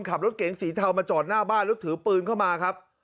ขับรถเก๋งสีเทามาจอดหน้าบ้านแล้วถือปืนเข้ามาครับ